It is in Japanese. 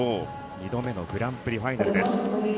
２度目のグランプリファイナル。